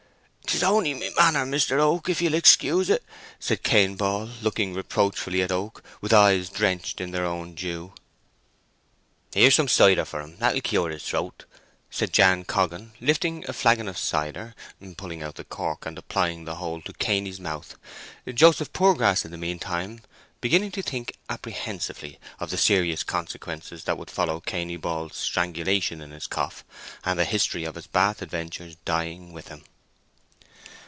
"'Tis only my manner, Mister Oak, if ye'll excuse it," said Cain Ball, looking reproachfully at Oak, with eyes drenched in their own dew. "Here's some cider for him—that'll cure his throat," said Jan Coggan, lifting a flagon of cider, pulling out the cork, and applying the hole to Cainy's mouth; Joseph Poorgrass in the meantime beginning to think apprehensively of the serious consequences that would follow Cainy Ball's strangulation in his cough, and the history of his Bath adventures dying with him.